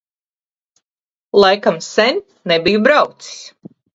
Laikam sen nebiju braucis.